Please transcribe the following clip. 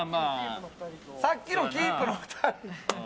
さっきのキープの２人。